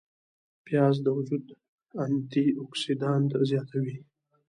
پیاز د وجود انتي اوکسیدانت زیاتوي